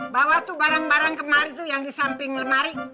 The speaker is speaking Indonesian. bawa tuh barang barang kemarin itu yang di samping lemari